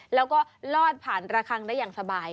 แล้วก็ลอดผ่านระคังได้อย่างสบาย